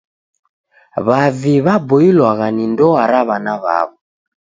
W'avi waboilwagha ni ndoa ra w'ana w'aw'o.